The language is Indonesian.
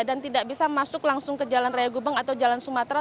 dan tidak bisa masuk langsung ke jalan raya gubeng atau jalan sumatera